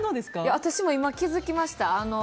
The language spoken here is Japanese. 私も今気づきました。